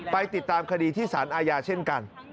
ไปติดตามคดีที่สารอาญาเช่นกัน